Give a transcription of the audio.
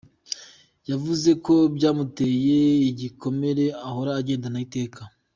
Yavuze ko byamuteye igikomere ahora agendana iteka.